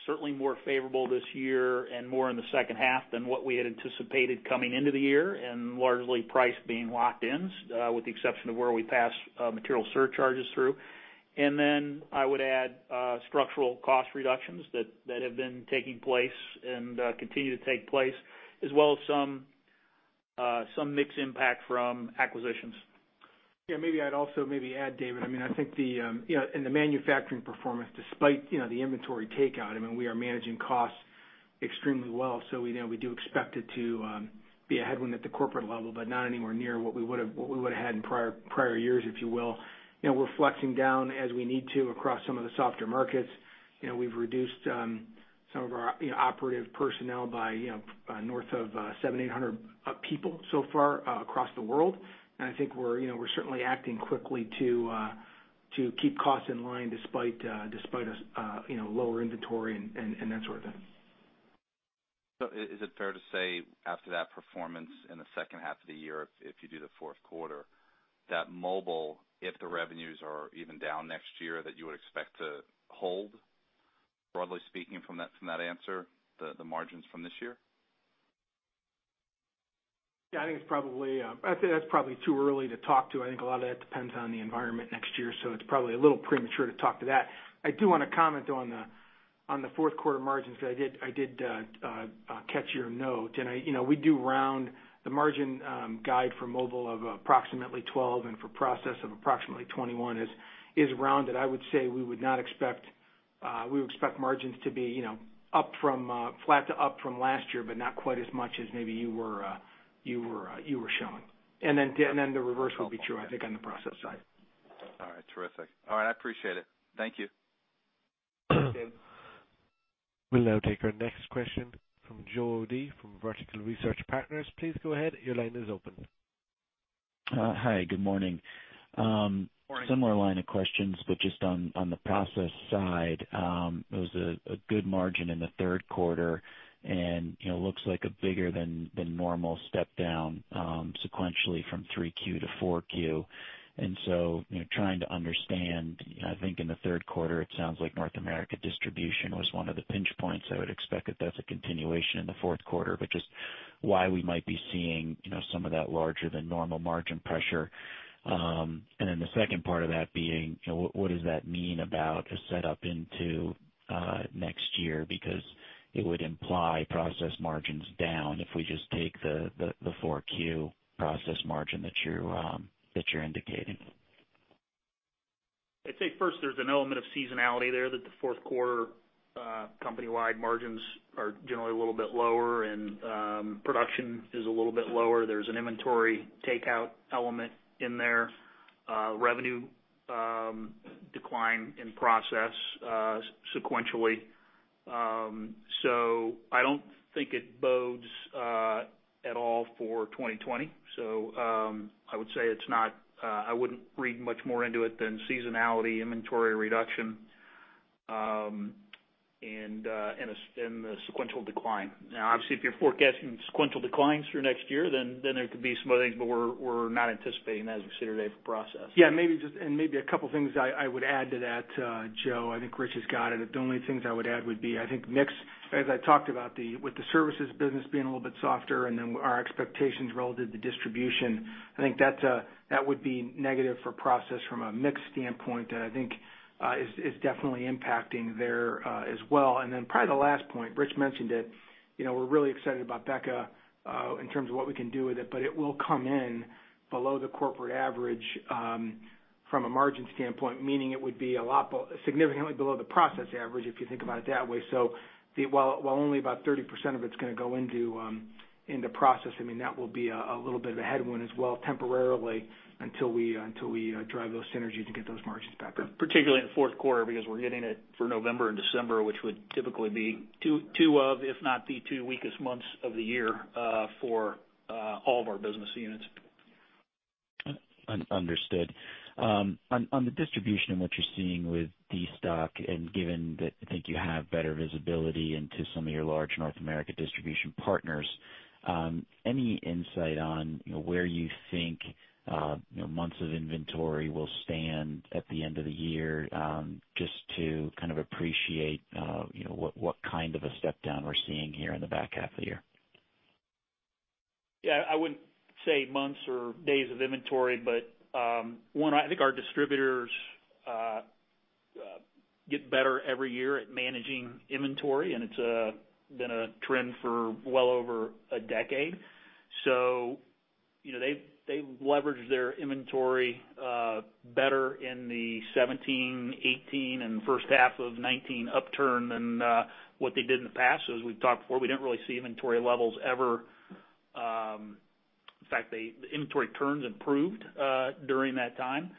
certainly more favorable this year and more in the second half than what we had anticipated coming into the year, and largely price being locked in, with the exception of where we pass material surcharges through. I would add structural cost reductions that have been taking place and continue to take place, as well as some mix impact from acquisitions.
Maybe I'd also add, David, I think in the manufacturing performance, despite the inventory takeout, we are managing costs extremely well. We do expect it to be a headwind at the corporate level, but not anywhere near what we would've had in prior years, if you will. We're flexing down as we need to across some of the softer markets. We've reduced some of our operative personnel by north of 7,800 people so far across the world. I think we're certainly acting quickly to keep costs in line despite lower inventory and that sort of thing.
Is it fair to say after that performance in the second half of the year, if you do the fourth quarter, that mobile, if the revenues are even down next year, that you would expect to hold, broadly speaking from that answer, the margins from this year?
Yeah, I think that's probably too early to talk to. I think a lot of that depends on the environment next year, so it's probably a little premature to talk to that. I do want to comment on the fourth quarter margins, because I did catch your note. We do round the margin guide for Mobile Industries of approximately 12 and for Process Industries of approximately 21 is rounded. I would say we would expect margins to be flat to up from last year, but not quite as much as maybe you were shown. The reverse would be true, I think, on the Process Industries side.
All right. Terrific. All right, I appreciate it. Thank you.
Thanks, David.
We'll now take our next question from Joe O'Dea from Vertical Research Partners. Please go ahead. Your line is open.
Hi. Good morning.
Morning.
Similar line of questions, but just on the process side, it was a good margin in the third quarter, and looks like a bigger than normal step down sequentially from 3Q to 4Q. Trying to understand, I think in the third quarter, it sounds like North America distribution was one of the pinch points. I would expect that that's a continuation in the fourth quarter, but just why we might be seeing some of that larger than normal margin pressure. The second part of that being, what does that mean about a set up into next year? Because it would imply process margins down if we just take the 4Q process margin that you're indicating.
I'd say first, there's an element of seasonality there that the fourth quarter company-wide margins are generally a little bit lower and production is a little bit lower. There's an inventory takeout element in there. Revenue decline in Process sequentially. I don't think it bodes at all for 2020. I would say I wouldn't read much more into it than seasonality, inventory reduction, and the sequential decline. Now obviously, if you're forecasting sequential declines through next year, then there could be some other things, but we're not anticipating that as we sit here today for Process.
Yeah. Maybe a couple of things I would add to that, Joe. I think Rich has got it. The only things I would add would be, I think mix, as I talked about, with the services business being a little bit softer, and then our expectations relative to distribution, I think that would be negative for Process from a mix standpoint that I think is definitely impacting there as well. Probably the last point, Rich mentioned it, we're really excited about BEKA in terms of what we can do with it, but it will come in below the corporate average from a margin standpoint, meaning it would be significantly below the Process average, if you think about it that way. While only about 30% of it's going to go into Process, that will be a little bit of a headwind as well temporarily until we drive those synergies to get those margins back up.
Particularly in the fourth quarter, because we're hitting it for November and December, which would typically be two of, if not the two weakest months of the year for all of our business units.
Understood. On the distribution and what you're seeing with the stock, and given that I think you have better visibility into some of your large North America distribution partners, any insight on where you think months of inventory will stand at the end of the year? Just to kind of appreciate what kind of a step down we're seeing here in the back half of the year.
I wouldn't say months or days of inventory, I think our distributors get better every year at managing inventory, and it's been a trend for well over a decade. They've leveraged their inventory better in the 2017, 2018, and first half of 2019 upturn than what they did in the past. As we've talked before, we didn't really see inventory levels ever. In fact, the inventory turns improved during that time.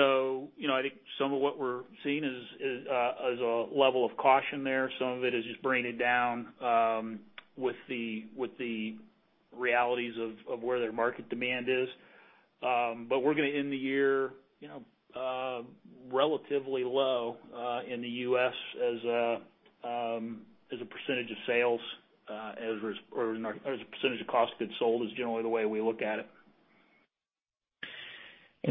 I think some of what we're seeing is a level of caution there. Some of it is just bringing it down with the realities of where their market demand is. We're going to end the year relatively low in the U.S. as a percentage of sales, or as a percentage of cost goods sold is generally the way we look at it.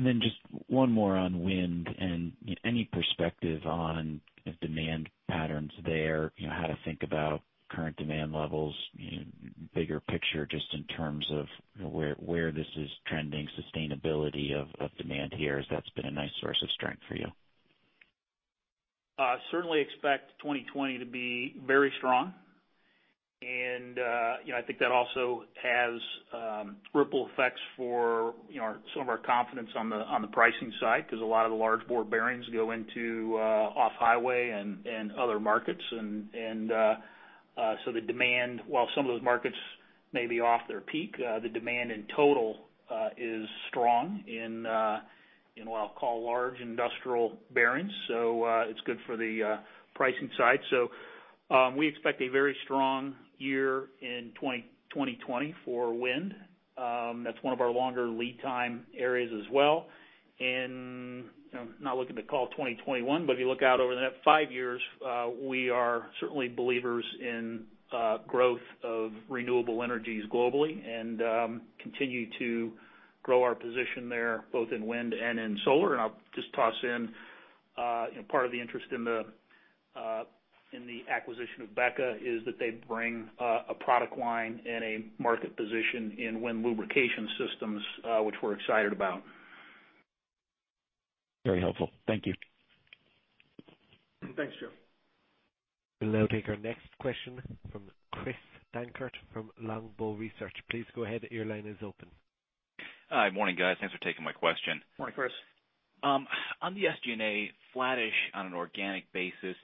Then just one more on wind and any perspective on demand patterns there, how to think about current demand levels, bigger picture, just in terms of where this is trending, sustainability of demand here, as that's been a nice source of strength for you?
I certainly expect 2020 to be very strong. I think that also has ripple effects for some of our confidence on the pricing side, because a lot of the large bore bearings go into off-highway and other markets. While some of those markets may be off their peak, the demand in total is strong in what I'll call large industrial bearings. It's good for the pricing side. We expect a very strong year in 2020 for wind. That's one of our longer lead time areas as well. I'm not looking to call 2021, but if you look out over that five years, we are certainly believers in growth of renewable energies globally, and continue to grow our position there, both in wind and in solar. I'll just toss in part of the interest in the acquisition of BEKA is that they bring a product line and a market position in wind lubrication systems, which we're excited about.
Very helpful. Thank you.
Thanks, Joe.
We'll now take our next question from Chris Dankert from Longbow Research. Please go ahead, your line is open.
Hi. Morning, guys. Thanks for taking my question.
Morning, Chris.
On the SG&A, flattish on an organic basis,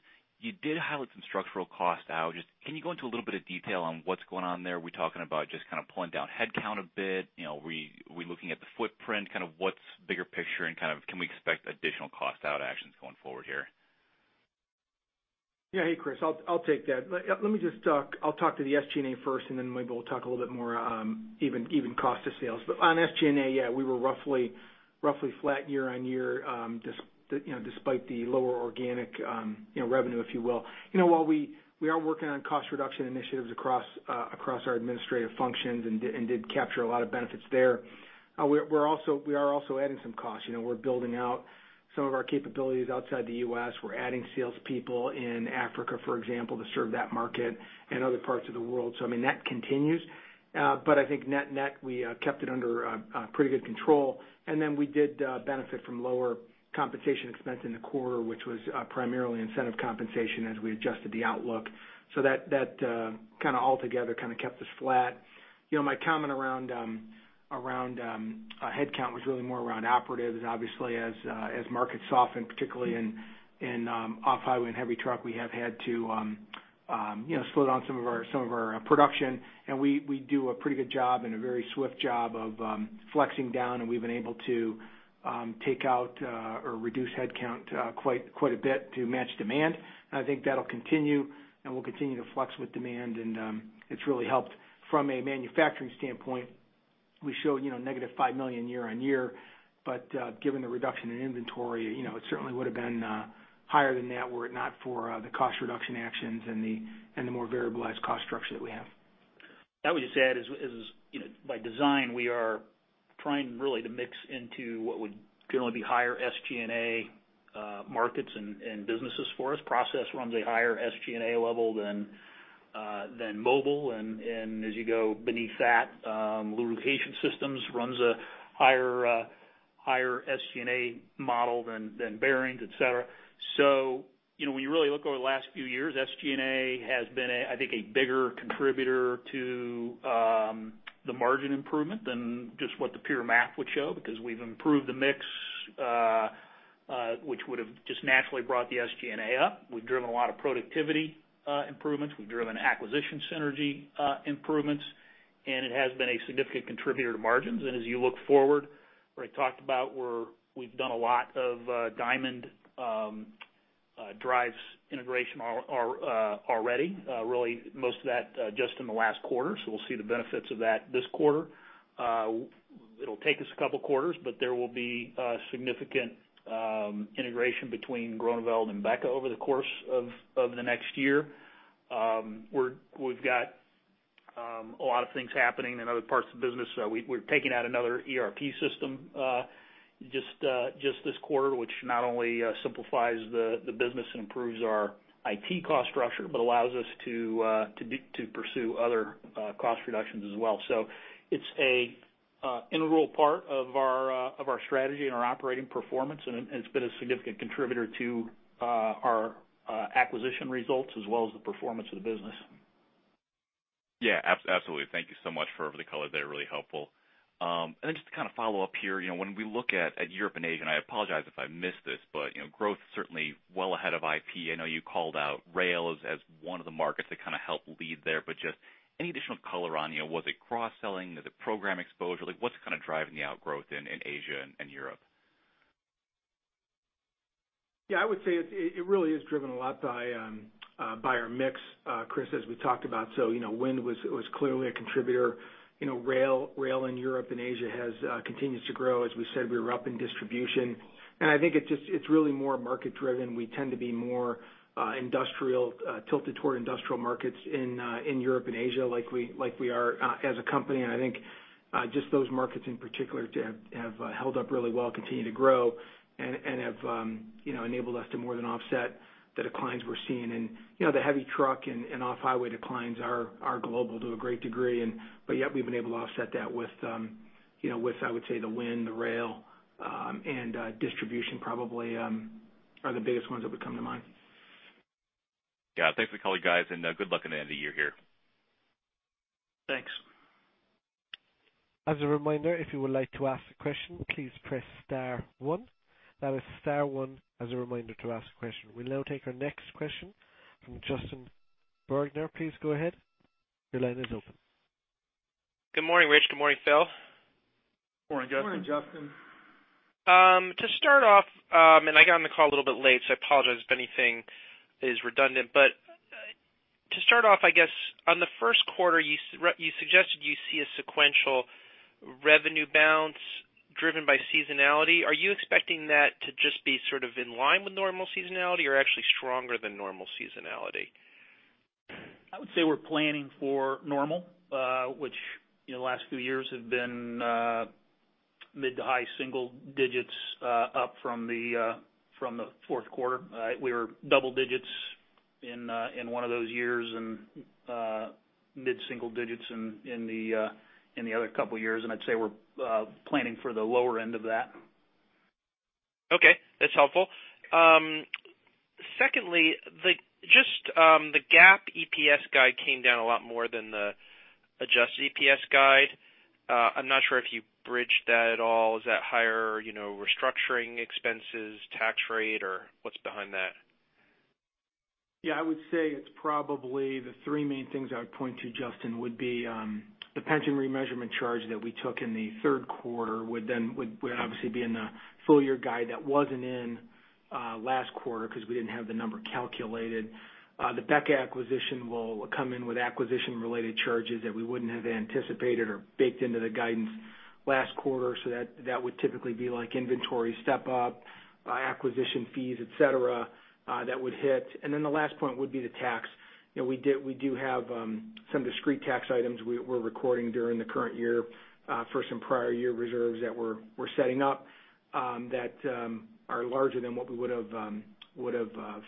you did highlight some structural cost out. Can you go into a little bit of detail on what's going on there? Are we talking about just kind of pulling down headcount a bit? Are we looking at the footprint? Kind of what's bigger picture, and can we expect additional cost-out actions going forward here?
Yeah. Hey, Chris. I'll take that. I'll talk to the SG&A first. Maybe we'll talk a little bit more even cost of sales. On SG&A, yeah, we were roughly flat year-over-year despite the lower organic revenue, if you will. While we are working on cost reduction initiatives across our administrative functions and did capture a lot of benefits there, we are also adding some costs. We're building out some of our capabilities outside the U.S. We're adding salespeople in Africa, for example, to serve that market and other parts of the world. That continues. I think net-net, we kept it under pretty good control. We did benefit from lower compensation expense in the quarter, which was primarily incentive compensation as we adjusted the outlook. That altogether kind of kept us flat. My comment around headcount was really more around operatives. Obviously as markets soften, particularly in off-highway and heavy truck, we have had to slow down some of our production, and we do a pretty good job and a very swift job of flexing down, and we've been able to take out or reduce headcount quite a bit to match demand. I think that'll continue. We'll continue to flex with demand, and it's really helped from a manufacturing standpoint. We showed negative $5 million year-over-year, given the reduction in inventory, it certainly would have been higher than that were it not for the cost reduction actions and the more variabilized cost structure that we have.
That would just add is, by design, we are trying really to mix into what would generally be higher SG&A markets and businesses for us. Process runs a higher SG&A level than Mobile, and as you go beneath that, lubrication systems runs a higher SG&A model than bearings, et cetera. When you really look over the last few years, SG&A has been, I think, a bigger contributor to the margin improvement than just what the pure math would show because we've improved the mix, which would've just naturally brought the SG&A up. We've driven a lot of productivity improvements. We've driven acquisition synergy improvements, and it has been a significant contributor to margins. As you look forward, where I talked about we've done a lot of Diamond Drives integration already, really most of that just in the last quarter, so we'll see the benefits of that this quarter. It'll take us a couple of quarters, but there will be significant integration between Groeneveld and BEKA over the course of the next year. We've got a lot of things happening in other parts of the business. We're taking out another ERP system just this quarter, which not only simplifies the business and improves our IT cost structure, but allows us to pursue other cost reductions as well. It's an integral part of our strategy and our operating performance, and it's been a significant contributor to our acquisition results as well as the performance of the business.
Yeah, absolutely. Thank you so much for all the color there. Really helpful. Just to kind of follow up here, when we look at Europe and Asia, and I apologize if I missed this, but growth certainly well ahead of IP. I know you called out rail as one of the markets that kind of helped lead there, but just any additional color on was it cross-selling? Was it program exposure? What's kind of driving the outgrowth in Asia and Europe?
Yeah, I would say it really is driven a lot by our mix, Chris, as we talked about. Wind was clearly a contributor. Rail in Europe and Asia continues to grow. As we said, we were up in distribution. I think it's really more market driven. We tend to be more tilted toward industrial markets in Europe and Asia like we are as a company. I think just those markets in particular have held up really well, continue to grow and have enabled us to more than offset the declines we're seeing in the heavy truck and off-highway declines are global to a great degree. Yet we've been able to offset that with, I would say, the wind, the rail, and distribution probably are the biggest ones that would come to mind.
Yeah. Thanks for the color, guys, and good luck on the end of the year here.
Thanks.
As a reminder, if you would like to ask a question, please press star one. That is star one as a reminder to ask a question. We'll now take our next question from Justin Bergner. Please go ahead. Your line is open.
Good morning, Rich. Good morning, Phil.
Morning, Justin.
Morning, Justin.
To start off, I got on the call a little bit late. I apologize if anything is redundant. To start off, I guess on the first quarter, you suggested you see a sequential revenue bounce driven by seasonality. Are you expecting that to just be sort of in line with normal seasonality or actually stronger than normal seasonality?
I would say we're planning for normal, which in the last few years have been mid to high single digits up from the fourth quarter. We were double digits in one of those years and mid-single digits in the other couple of years. I'd say we're planning for the lower end of that.
Okay. That's helpful. Secondly, just the GAAP EPS guide came down a lot more than the adjusted EPS guide. I'm not sure if you bridged that at all. Is that higher restructuring expenses, tax rate, or what's behind that?
I would say it's probably the three main things I would point to, Justin, would be the pension remeasurement charge that we took in the third quarter would obviously be in the full year guide that wasn't in last quarter because we didn't have the number calculated. The BEKA acquisition will come in with acquisition-related charges that we wouldn't have anticipated or baked into the guidance last quarter. That would typically be like inventory step-up, acquisition fees, et cetera, that would hit. The last point would be the tax. We do have some discrete tax items we're recording during the current year for some prior year reserves that we're setting up that are larger than what we would have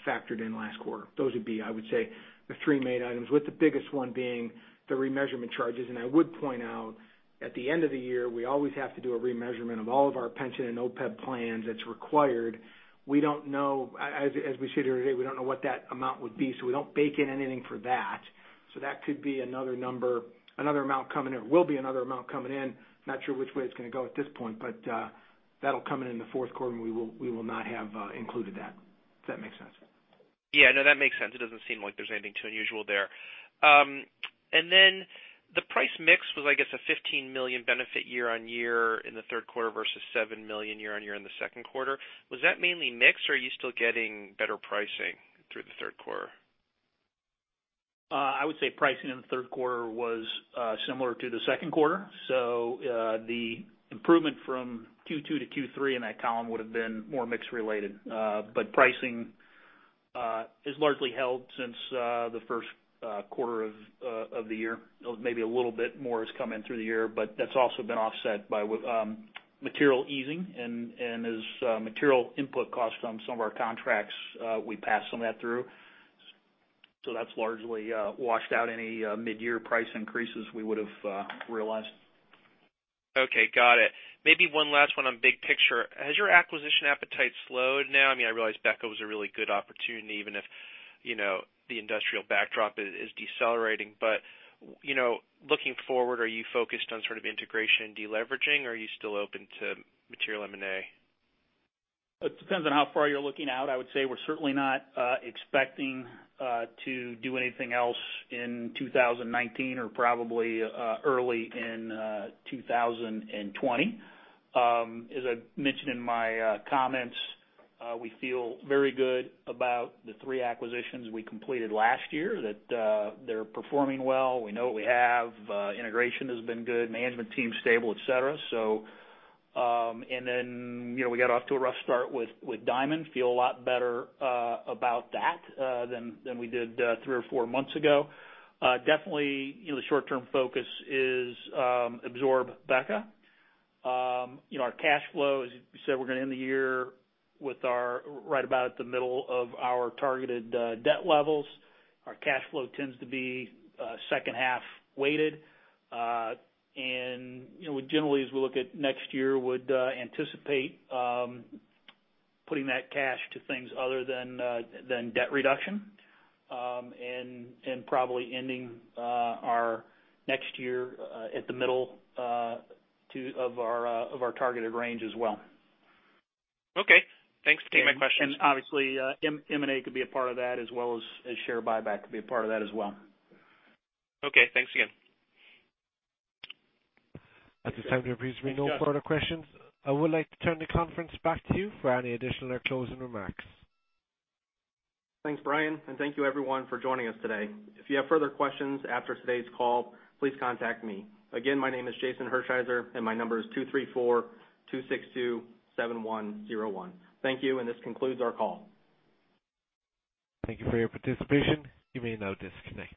factored in last quarter. Those would be, I would say, the three main items, with the biggest one being the remeasurement charges. I would point out, at the end of the year, we always have to do a remeasurement of all of our pension and OPEB plans that's required. As we sit here today, we don't know what that amount would be, so we don't bake in anything for that. That could be another number, another amount coming in. It will be another amount coming in. Not sure which way it's going to go at this point, but that'll come in in the fourth quarter, and we will not have included that. If that makes sense.
Yeah, no, that makes sense. It doesn't seem like there's anything too unusual there. The price mix was, I guess a $15 million benefit year-over-year in the third quarter versus $7 million year-over-year in the second quarter. Was that mainly mix, or are you still getting better pricing through the third quarter?
I would say pricing in the third quarter was similar to the second quarter. The improvement from Q2 to Q3 in that column would've been more mix related. Pricing has largely held since the first quarter of the year. Maybe a little bit more has come in through the year, but that's also been offset by material easing and as material input costs on some of our contracts, we pass some of that through. That's largely washed out any midyear price increases we would've realized.
Okay, got it. Maybe one last one on big picture. Has your acquisition appetite slowed now? I realize BEKA was a really good opportunity even if the industrial backdrop is decelerating. Looking forward, are you focused on sort of integration and de-leveraging, or are you still open to material M&A?
It depends on how far you're looking out. I would say we're certainly not expecting to do anything else in 2019 or probably early in 2020. As I mentioned in my comments, we feel very good about the three acquisitions we completed last year, that they're performing well. We know what we have. Integration has been good, management team stable, et cetera. Then we got off to a rough start with Diamond. Feel a lot better about that than we did three or four months ago. Definitely, the short term focus is absorb BEKA. Our cash flow is, we said we're going to end the year right about at the middle of our targeted debt levels. Our cash flow tends to be second half weighted. We generally, as we look at next year, would anticipate putting that cash to things other than debt reduction, and probably ending our next year at the middle of our targeted range as well.
Okay, thanks. That took care of my questions.
Obviously, M&A could be a part of that, as well as share buyback could be a part of that as well.
Okay, thanks again.
At this time, there appears to be no further questions. I would like to turn the conference back to you for any additional or closing remarks.
Thanks, Brian. Thank you everyone for joining us today. If you have further questions after today's call, please contact me. Again, my name is Jason Hershiser. My number is 234-262-7101. Thank you. This concludes our call.
Thank you for your participation. You may now disconnect.